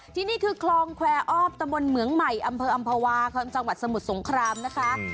ที่นี่คือคลองแควร์อ้อมตะบนเหมืองใหม่อำเภออำภาวาจังหวัดสมุทรสงครามนะคะ